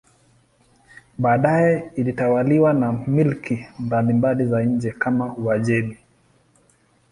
Baadaye ilitawaliwa na milki mbalimbali za nje kama Uajemi.